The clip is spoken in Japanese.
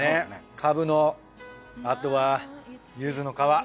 カブのあとはゆずの皮。